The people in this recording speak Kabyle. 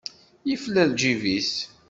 Yefla lǧib-is.